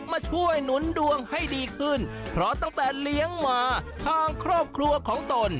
มาช่วยหนุนดวงให้ดีขึ้นเพราะตั้งแต่เลี้ยงมาทางครอบครัวของตน